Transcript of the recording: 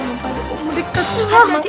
saya mau pakde aku mendekati